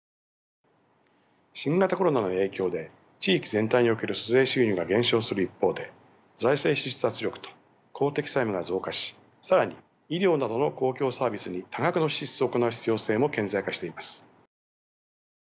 新型コロナの影響で地域全体における租税収入が減少する一方で財政支出圧力と公的債務が増加し更に医療などの公共サービスに多額の支出を行う必要性も顕在化しています。